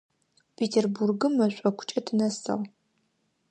Петербургым мэшӏокукӏэ тынэсыгъ.